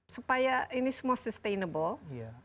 supaya ini semua sustainable